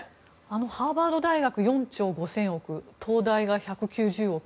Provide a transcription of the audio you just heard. ハーバード大学が４兆５０００億東大が１９０億。